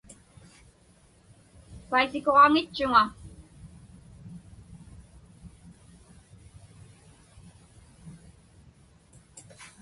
Paisakuġaŋitchuŋa.